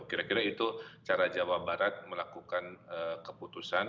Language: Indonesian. kira kira itu cara jawa barat melakukan keputusan